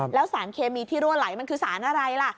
แล้วสารเคมีที่รั่วไหลมันคือสารอะไรล่ะ